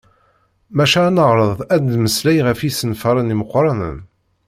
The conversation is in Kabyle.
Maca ad neɛreḍ ad d-nemmeslay ɣef yisenfaren imeqqranen.